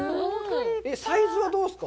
サイズはどうですか？